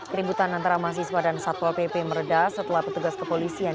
keributan antara mahasiswa dan satpol pp meredah setelah petugas kepolisian